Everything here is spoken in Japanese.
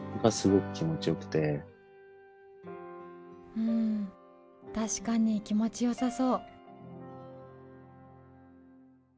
うん確かに気持ちよさそう！